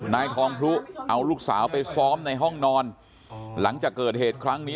นายทองพลุเอาลูกสาวไปซ้อมในห้องนอนหลังจากเกิดเหตุครั้งนี้